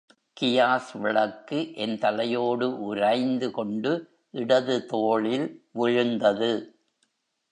Gas விளக்கு என் தலையோடு உராய்ந்து கொண்டு இடது தோளில் விழுந்தது.